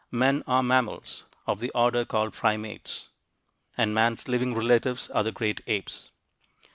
Men are mammals, of the order called Primates, and man's living relatives are the great apes.